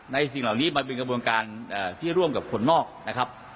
สิ่งเหล่านี้มันเป็นกระบวนการที่ร่วมกับคนนอกนะครับ